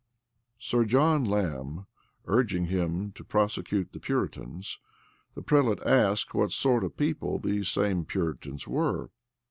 Sir John Lambe urging him to prosecute the Puritans, the prelate asked what sort of people these same Puritans were.